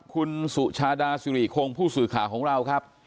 คุณสุชาดาสิริคงผู้สื่อข่าวของเราครับ